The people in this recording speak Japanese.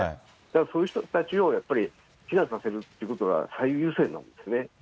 そういう人たちをやっぱり避難させるということが最優先なんですね。